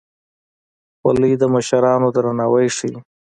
خولۍ د مشرانو درناوی ښيي.